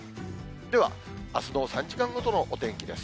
では、あすの３時間ごとのお天気です。